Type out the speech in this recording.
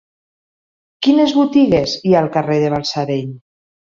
Quines botigues hi ha al carrer de Balsareny?